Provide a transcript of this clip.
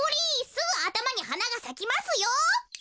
すぐあたまにはながさきますよ！